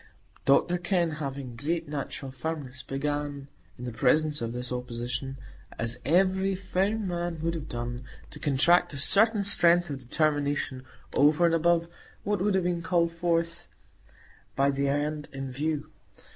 Dr Kenn, having great natural firmness, began, in the presence of this opposition, as every firm man would have done, to contract a certain strength of determination over and above what would have been called forth by the end in view.